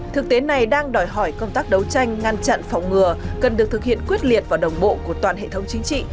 thực tế này đang đòi hỏi công tác đấu tranh ngăn chặn phòng ngừa cần được thực hiện quyết liệt và đồng bộ của toàn hệ thống chính trị